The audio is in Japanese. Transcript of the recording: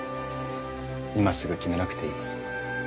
今すぐ決めなくていい。